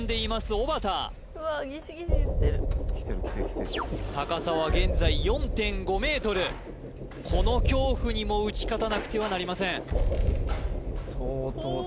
おばた高さは現在４．５ｍこの恐怖にも打ち勝たなくてはなりません